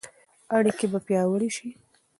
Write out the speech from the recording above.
اړیکې به پیاوړې شي.